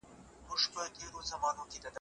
تېرو حکومتونو د بهرنيو اړيکو ساتلو ته پام کاوه.